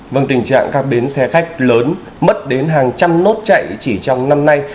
vâng tình trạng các bến xe khách lớn mất đến hàng trăm nốt chạy chỉ trong năm nay